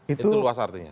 itu luas artinya